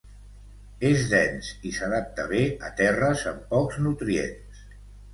és dens i s'adapta bé a terres amb pocs nutrients